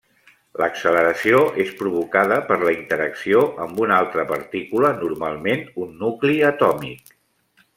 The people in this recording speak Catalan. L'acceleració és provocada per la interacció amb una altra partícula, normalment un nucli atòmic.